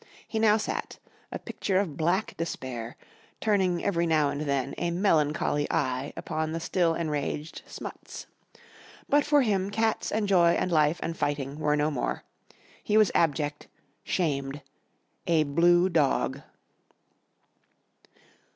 He now sat, a picture of black despair, turning every now and then a melancholy eye upon the still enraged Smuts. But for him cats and joy and life and fighting were no more. He was abject, shamed a blue dog.